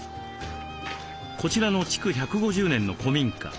こちらの築１５０年の古民家。